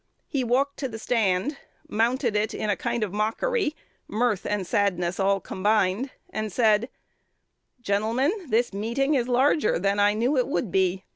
He walked to the stand, mounted it in a kind of mockery, mirth and sadness all combined, and said, 'Gentlemen, this meeting is larger than I knew it would be.